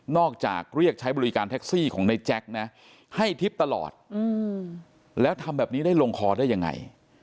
จากเรียกใช้บริการแท็กซี่ของในแจ็คนะให้ทิพย์ตลอดแล้วทำแบบนี้ได้ลงคอได้ยังไง